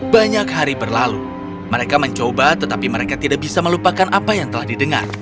banyak hari berlalu mereka mencoba tetapi mereka tidak bisa melupakan apa yang telah didengar